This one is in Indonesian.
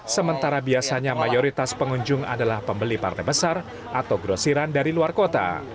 sementara biasanya mayoritas pengunjung adalah pembeli partai besar atau grosiran dari luar kota